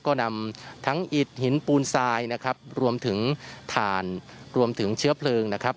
ก็นำทั้งอิดหินปูนทรายนะครับรวมถึงถ่านรวมถึงเชื้อเพลิงนะครับ